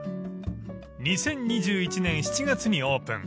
［２０２１年７月にオープン］